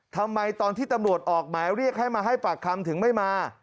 ทำไมตอนที่ตำรวจออกหมายเรียกให้มาให้ปากคำถึงไม่มา